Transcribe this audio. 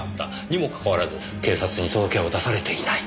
にもかかわらず警察に届けを出されていない。